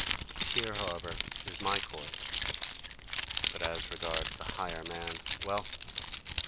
Here however is MY court. But as regards the higher man: well!